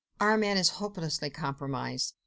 Armand is hopelessly compromised .